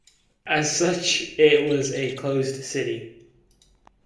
As such it was a closed city.